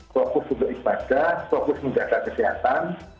fokus untuk ibadah fokus menjaga kesehatan